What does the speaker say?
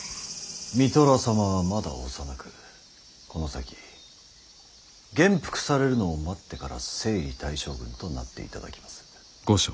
三寅様はまだ幼くこの先元服されるのを待ってから征夷大将軍となっていただきます。